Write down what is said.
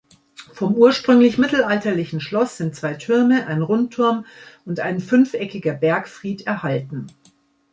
Vom ursprünglich mittelalterlichen Schloss sind zwei Türme, ein Rundturm und ein fünfeckiger Bergfried, erhalten.